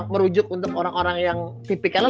merujuk untuk orang orang yang tipikal